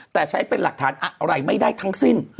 แต่ใช้เป็นหลักฐานอะไรไม่ได้ทั้งสิ้น